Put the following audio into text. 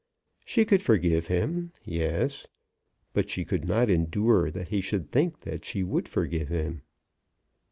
She could forgive him; yes. But she could not endure that he should think that she would forgive him.